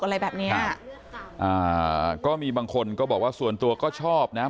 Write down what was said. อะไรแบบเนี้ยอ่าก็มีบางคนก็บอกว่าส่วนตัวก็ชอบนะ